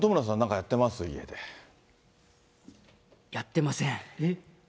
やってません。